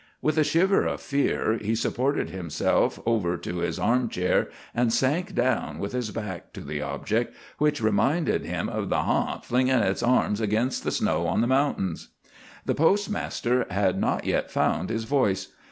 With a shiver of fear, he supported himself over to his arm chair, and sank down with his back to the object, which reminded him of the "harnt" flinging its arms against the snow on the mountain. The postmaster had not yet found his voice.